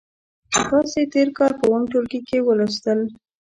تاسې تېر کال په اووم ټولګي کې ولوستل.